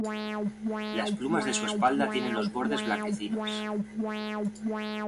Las plumas de su espalda tienen los bordes blanquecinos.